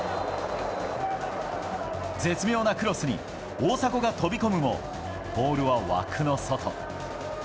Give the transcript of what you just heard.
絶妙なクロスに大迫が飛び込むもボールは枠の外。